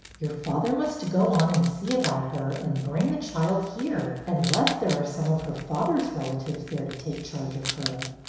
Your father must go on and see about her and bring the child here, unless there are some of her father's relatives there to take charge of her."